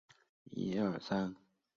这起事件也在当时招人话柄。